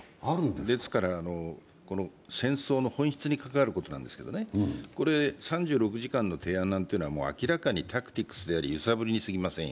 ですから、戦争の本質に関わることなんですけど、３６時間の提案なんていうのは明らかにタクティクスであり揺さぶりに過ぎませんよ。